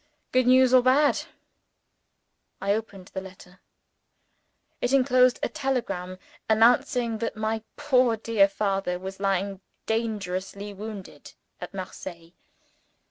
Good news or bad? I opened the letter. It enclosed a telegram, announcing that my poor dear father was lying dangerously wounded at Marseilles.